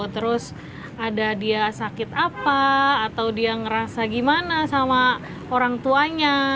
terus ada dia sakit apa atau dia ngerasa gimana sama orang tuanya